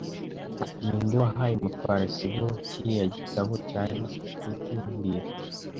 Ninde wahaye Mutwara sibo kiriya gitabo cya resept mbwira